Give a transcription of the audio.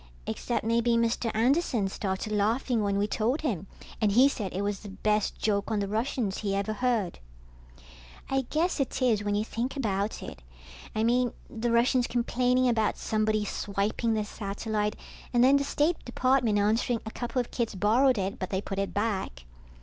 Except maybe Mr. Anderson started laughing when we told him, and he said it was the best joke on the Russians he ever heard. I guess it is when you think about it. I mean, the Russians complaining about somebody swiping their satellite and then the State Department answering a couple of kids borrowed it, but they put it back.